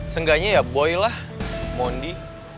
seenggaknya ya boy lah mondi